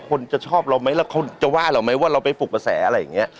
คนจะชอบเราไหมแล้วเขาจะว่าเราไหมว่าเราไปปลุกกระแสอะไรอย่างนี้